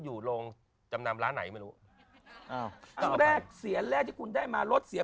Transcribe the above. อยู่โรงจำนำร้านไหนไม่รู้อ่าครั้งแรกเสียนแรกที่คุณได้มารถเสีย